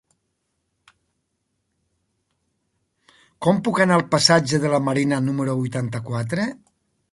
Com puc anar al passatge de la Marina número vuitanta-quatre?